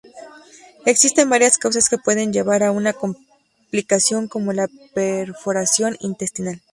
Existen varias causas que pueden llevar a una complicación como la perforación intestinal.